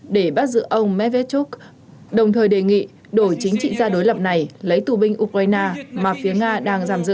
để bắt giữ ông medvechuk đồng thời đề nghị đổi chính trị gia đối lập này lấy tù binh ukraine mà phía nga đang giam giữ